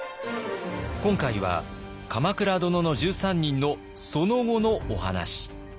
今回は「鎌倉殿の１３人」のその後のお話。